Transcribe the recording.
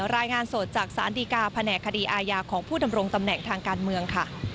รายงานสดจากสารดีกาแผนกคดีอาญาของผู้ดำรงตำแหน่งทางการเมืองค่ะ